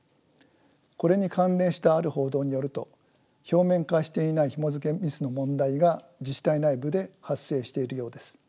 これに関連したある報道によると表面化していないひもづけミスの問題が自治体内部で発生しているようです。